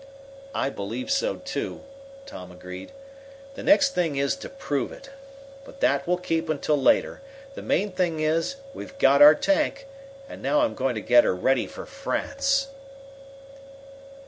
"I believe so, too," Tom agreed. "The next thing is to prove it. But that will keep until later. The main thing is we've got our tank, and now I'm going to get her ready for France."